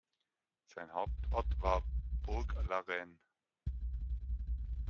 Sein Hauptort war Bourg-la-Reine.